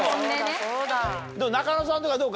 中野さんとかどう？